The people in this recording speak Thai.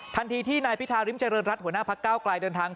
ทันทีที่นายพิธาริมเจริญรัฐหัวหน้าพักเก้าไกลเดินทาง